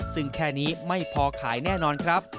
ซึ่งแค่นี้ไม่พอขายแน่นอนครับ